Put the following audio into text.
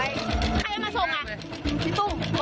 พี่กุ้งมาส่งไว้